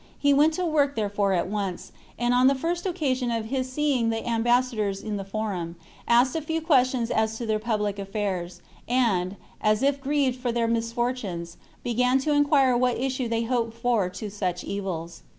He went to work there fore at once, and on the first occasion of his seeing the ambassadors in the Forum, asked a few questions as to their public affairs, and, as if grieved for their mis fortunes, began to enquire what issue they hoped for to such evils.